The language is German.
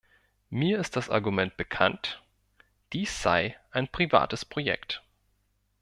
Mir ist das Argument bekannt, dies sei ein privates Projekt.